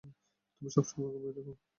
তুমি সবসময় আমাকে ভয় দেখাও।